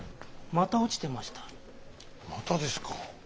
またですか。